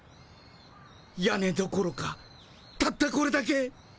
屋根どころかたったこれだけ。